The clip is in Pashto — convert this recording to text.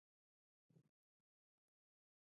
الینګار دره زرغونه ده؟